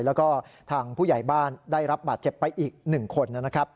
แล้วก็ทางผู้ใหญ่บ้านได้รับบาดเจ็บไปอีก๑คนนะครับ